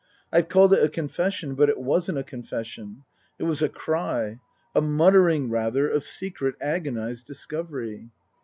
I've called it a confession ; but it wasn't a confession. It was a cry, a muttering, rather, of secret, agonized discovery.